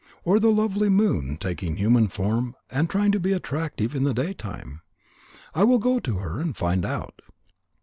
Or the lovely moon, taking a human form, and trying to be attractive in the daytime? I will go to her and find out."